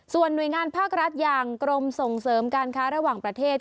ส่วนหน่วยงานภาครัฐอย่างกรมส่งเสริมการค้าระหว่างประเทศ